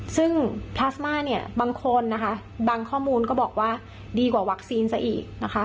ซึ่งพลาสมาเนี่ยบางคนนะคะบางข้อมูลก็บอกว่าดีกว่าวัคซีนซะอีกนะคะ